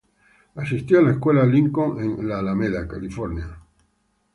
Asistió a la Escuela Lincoln en Alameda, California.